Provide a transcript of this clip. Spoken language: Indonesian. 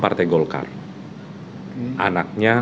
partai golkar hai anaknya